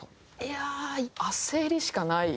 いや焦りしかない。